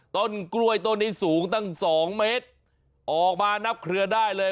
ต้นกล้วยต้นนี้สูงตั้งสองเมตรออกมานับเครือได้เลย